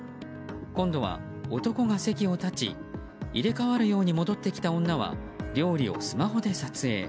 今度は男が席を立ち入れ替わるように戻ってきた女は料理をスマホで撮影。